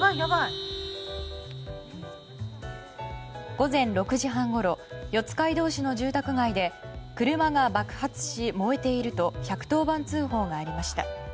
午前６時半ごろ四街道市の住宅街で車が爆発し燃えていると１１０番通報がありました。